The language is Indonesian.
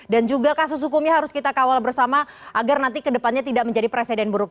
dan juga kasus hukumnya harus kita kawal bersama agar nanti kedepannya tidak menjadi presiden buruk